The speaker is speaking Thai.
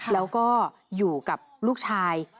แล้วก็อยู่กับลูกชาย